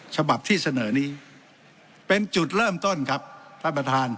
ฉบับที่เสนอนี้เป็นจุดเริ่มต้นครับท่านประธาน